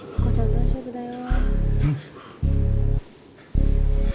大丈夫だよ。